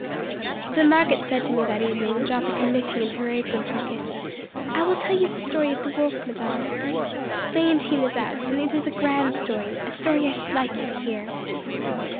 So Margotte said to me that evening, dropping her knitting into her apron pocket: "I will tell you the story of the wolf, madame. Léontine is out, and it is a grand story a story I should like you to hear."